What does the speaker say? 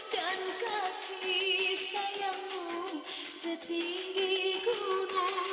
dan kasih sayangmu setinggi gunung